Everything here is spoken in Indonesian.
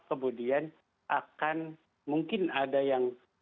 kemudian akan mungkin ada yang